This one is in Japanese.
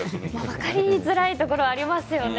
分かりづらいところありますよね。